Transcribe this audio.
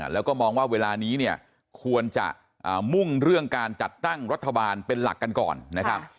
แล้วก็มองว่าเวลานี้เนี่ยควรจะมุ่งเรื่องการจัดตั้งรัฐบาลเป็นหลักกันก่อนนะครับ